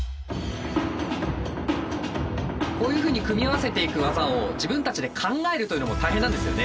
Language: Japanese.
こういうふうに組み合わせていく技を自分たちで考えるというのも大変なんですよね。